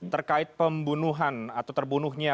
terkait pembunuhan atau terbunuhnya